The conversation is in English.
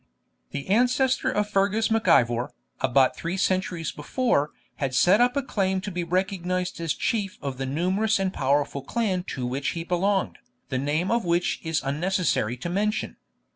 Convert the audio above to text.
The ancestor of Fergus Mac Ivor, about three centuries before, had set up a claim to be recognised as chief of the numerous and powerful clan to which he belonged, the name of which it is unnecessary to mention.